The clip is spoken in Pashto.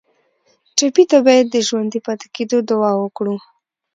ټپي ته باید د ژوندي پاتې کېدو دعا وکړو.